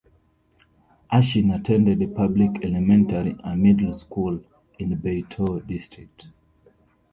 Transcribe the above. Ashin attended a public elementary and middle school in Beitou District.